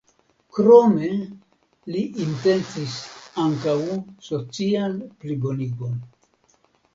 Krome li intencis ankaŭ socian plibonigon.